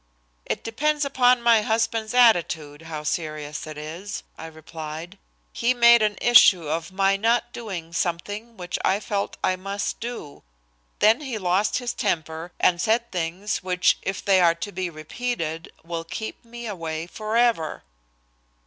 "It depends upon my husband's attitude how serious it is," I replied. "He made an issue of my not doing something which I felt I must do. Then he lost his temper and said things which if they are to be repeated, will keep me away forever!"